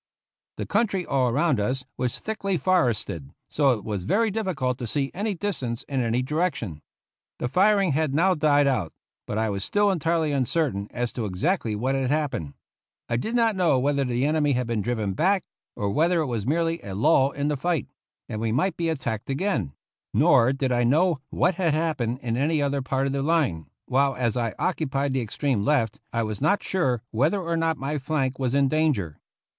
The country all around us was thickly forested, so that it was very difficult to see any distance in any direction. The firing had now died out, but I was still entirely uncertain as to exactly what had happened. I did not know whether the ene my had been driven back or whether it was merely a lull in the fight, and we might be at tacked again ; nor did I know what had happened in any other part of the line, while as I occupied the extreme left, I was not sure whether or not my flank was in danger.